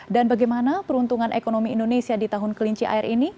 dan bagaimana peruntungan ekonomi indonesia di tahun kelinci air ini